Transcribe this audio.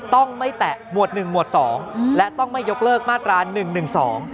ต้องไม่แตะหมวดหนึ่งหมวดสองและต้องไม่ยกเลิกมาตราหนึ่งหนึ่งสอง